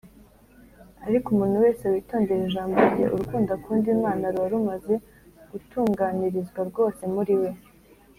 Ariko umuntu wese witondera ijambo rye, urukundo akunda Imana ruba rumaze gutunganirizwa rwose muri we.